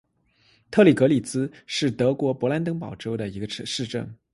特里格利茨是德国勃兰登堡州的一个市镇。